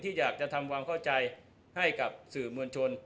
อยากจะทำความเข้าใจให้กับสื่อมวลชน